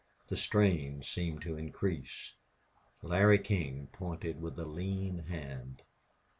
The strain seemed to increase. Larry King pointed with a lean hand.